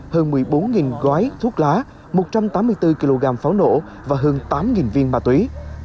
hình gói thuốc lá một trăm tám mươi bốn kg pháo nổ và hơn tám viên ma túy